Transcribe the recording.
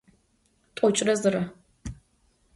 T'oç'ıre zıre.